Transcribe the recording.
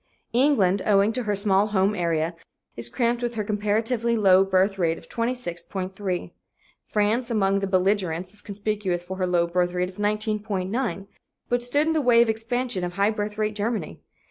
England, owing to her small home area, is cramped with her comparatively low birth rate of 26.3. France, among the belligerents, is conspicuous for her low birth rate of 19.9, but stood in the way of expansion of high birth rate Germany.